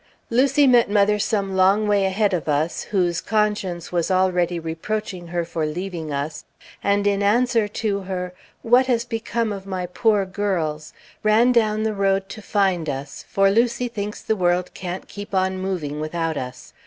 Lucy met mother some long way ahead of us, whose conscience was already reproaching her for leaving us, and in answer to her "What has become of my poor girls?" ran down the road to find us, for Lucy thinks the world can't keep on moving without us.